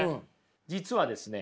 実はですね